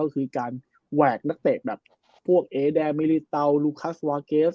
ก็คือการแหวกนักเตะแบบพวกเอแดมิลิเตาลูคัสวาเกฟ